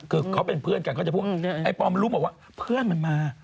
คือเขาเป็นเพื่อนกันเขาจะพูดว่าไอ้ปอมมันรู้หมดว่าเพื่อนมันมา